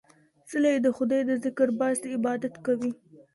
څله يې د خداى د ذکر باسې ، عبادت کوي